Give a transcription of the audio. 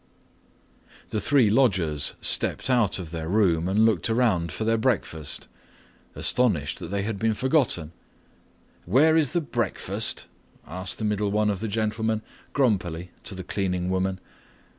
The three lodgers stepped out of their room and looked around for their breakfast, astonished that they had been forgotten. "Where is the breakfast?" asked the middle one of the gentlemen grumpily to the cleaning woman.